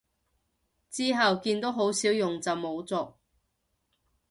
之後見都好少用就冇續